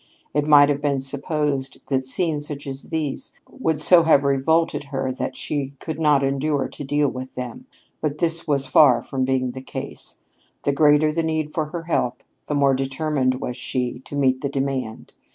It might have been supposed that scenes such as these would so have revolted her that she could not endure to deal with them; but this was far from being the case. The greater the need for her help, the more determined was she to meet the demand.